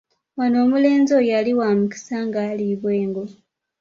Wano omulenzi oyo yali wa mukisa ng'aliibwa engo.